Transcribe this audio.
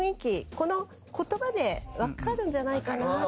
この言葉でわかるんじゃないかなと。